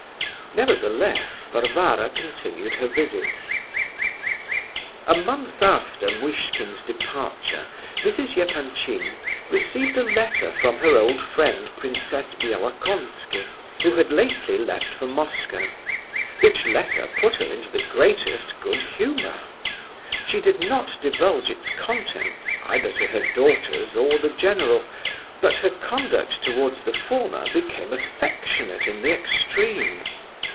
Nevertheless, Varvara continued her visits. A month after Muishkin's departure, Mrs. Epanchin received a letter from her old friend Princess Bielokonski (who had lately left for Moscow), which letter put her into the greatest good humour. She did not divulge its contents either to her daughters or the general, but her conduct towards the former became affectionate in the extreme.